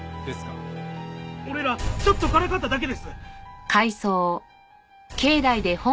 俺らちょっとからかっただけです！